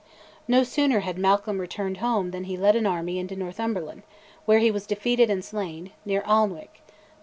No sooner had Malcolm returned home than he led an army into Northumberland, where he was defeated and slain, near Alnwick (Nov.